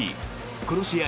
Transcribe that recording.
この試合